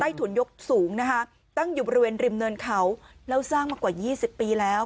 ถุนยกสูงนะคะตั้งอยู่บริเวณริมเนินเขาแล้วสร้างมากว่า๒๐ปีแล้ว